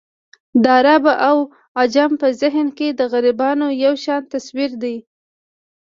د عرب او عجم په ذهن کې د غربیانو یو شان تصویر دی.